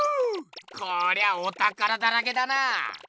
こりゃあおたからだらけだな。